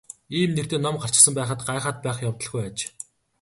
Ийм нэртэй ном гарчихсан байхад гайхаад байх явдалгүй аж.